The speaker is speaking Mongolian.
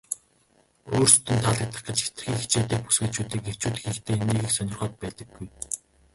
өөрсдөд нь таалагдах гэж хэтэрхий хичээдэг бүсгүйчүүдийг эрчүүд ихэнхдээ нэг их сонирхоод байдаггүй.